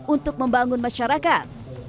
untuk membangun masyarakat